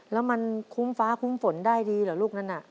แล้วมันคุ้มฟ้าคุ้มฝนได้ดีเหรอลูกนั้นน่ะ